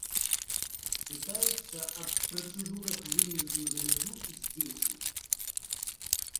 Пытаюцца аб працэдурах выезду за мяжу з дзецьмі.